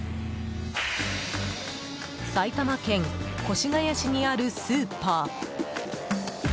埼玉県越谷市にあるスーパー。